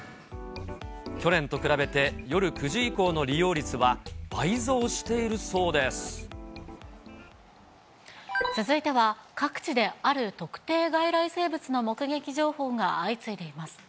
去年と比べて夜９時以降の利続いては、各地である特定外来生物の目撃情報が相次いでいます。